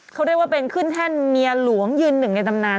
เขาเรียกว่าเป็นขึ้นแท่นเมียหลวงยืนหนึ่งในตำนาน